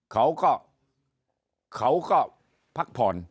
เขาก็เขาก็พักผ่อน